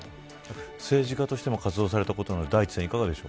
政治家としても活動したことのある大地さん